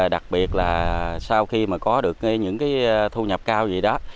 đặc biệt là sau khi có được những thu nhập cao gì đó